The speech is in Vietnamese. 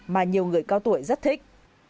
mà nhiều người cao tuổi rất thích